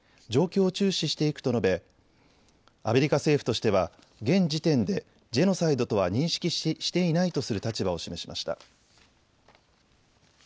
状況を注視していくと述べアメリカ政府としては現時点でジェノサイドとは認識していないとする立場を示しました。